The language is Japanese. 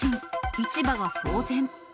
市場が騒然。